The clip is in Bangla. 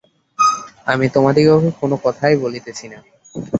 আমি তোমাদিগকে কোনো কথাই বলিতেছি না।